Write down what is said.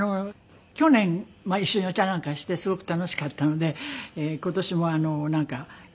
去年一緒にお茶なんかしてすごく楽しかったので今年もなんか。